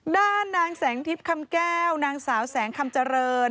ด้านนางแสงทิพย์คำแก้วนางสาวแสงคำเจริญ